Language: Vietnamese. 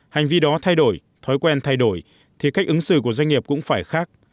hành vi đó thay đổi thói quen thay đổi thì cách ứng xử của doanh nghiệp cũng phải khác